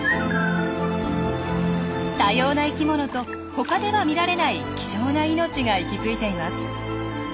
多様な生きものと他では見られない希少な命が息づいています。